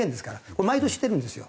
これ毎年してるんですよ。